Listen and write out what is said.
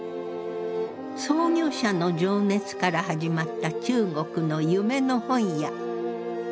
創業者の情熱から始まった中国の夢の本屋。